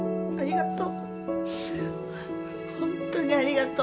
ありがと。